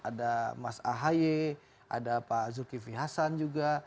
ada mas ahaye ada pak zulkifli hasan juga